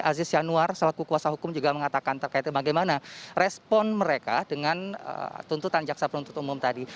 aziz yanuar selaku kuasa hukum juga mengatakan terkait bagaimana respon mereka dengan tuntutan jaksa penuntut umum tadi